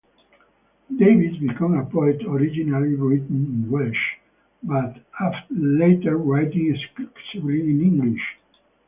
Davies became a poet, originally writing in Welsh, but later writing exclusively in English.